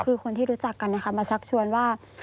คือคนที่รู้จักกันนะคะมาชักชวนว่า